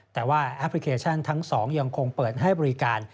แต่ว่าแอปพลิเคชันทั้ง๒ยังคงเปิดให้บริการ